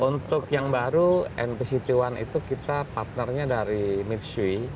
untuk yang baru npct satu itu kita partnernya dari mitsui